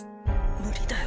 無理だよ